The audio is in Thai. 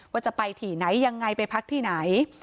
ว่าจะไปที่ไหนยังไงไปพักที่ไหน